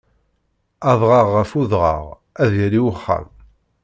Adɣaɣ ɣef udɣaɣ, ad yali uxxam.